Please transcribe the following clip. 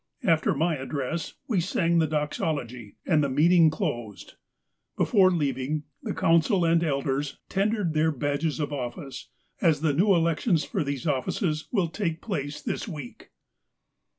After my address, we sang the doxology, and the meeting closed. Before leaving, the council and elders tendered their badges of office, as the new elections for these offices will take place this week.